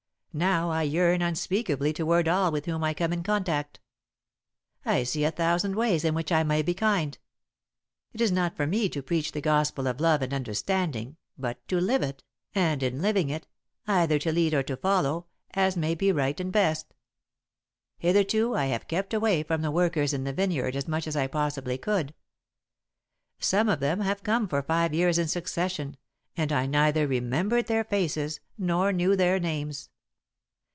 Now I yearn unspeakably toward all with whom I come in contact. I see a thousand ways in which I may be kind. It is not for me to preach the gospel of love and understanding, but to live it, and, in living it, either to lead or to follow, as may be right and best. "Hitherto I have kept away from the workers in the vineyard as much as I possibly could. Some of them have come for five years in succession, and I neither remembered their faces nor knew their names.